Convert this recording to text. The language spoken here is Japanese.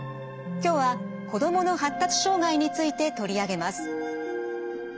今日は子どもの発達障害について取り上げます。